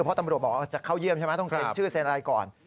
เพราะตำรวจบอกว่าจะเข้าเยี่ยมใช่ไหมต้องเซ็นชื่อเซ็นอะไรก่อน